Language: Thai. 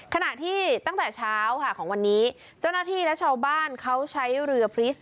ขณะที่ตั้งแต่เช้าค่ะของวันนี้เจ้าหน้าที่และชาวบ้านเขาใช้เรือพริส